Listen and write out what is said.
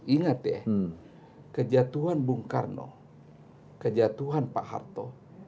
ingat ya kejatuhan bung karno kejatuhan pak harto